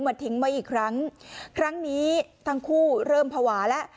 ทิ้งไว้อีกครั้งครั้งนี้ทั้งคู่เริ่มภาวะแล้ว